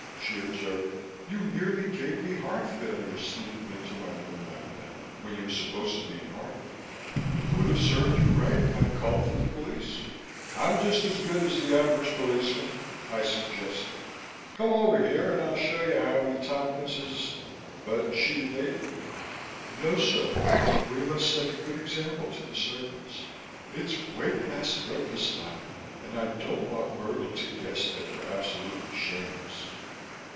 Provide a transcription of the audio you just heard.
she observed. "You nearly gave me heart failure, sneaking into my room like that when you were supposed to be in Hartford. It would have served you right if I'd called for the police." "I'm just as good as the average policeman," I suggested. "Come over here and I'll show you how we Tompkinses " But she evaded me. "No, sir. We must set a good example to the servants. It's way past breakfast time and I don't want Myrtle to guess that we're absolutely shameless."